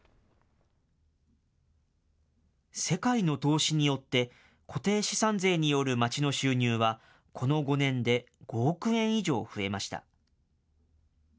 世界の投資によって、固定資産税による町の収入は、この５年で５億円以上増えました。